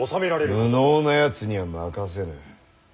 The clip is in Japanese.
無能なやつには任せぬ。